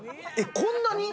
こんなに？